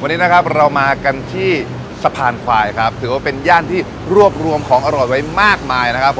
วันนี้นะครับเรามากันที่สะพานควายครับถือว่าเป็นย่านที่รวบรวมของอร่อยไว้มากมายนะครับผม